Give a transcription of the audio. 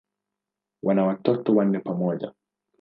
Wana watoto wanne pamoja.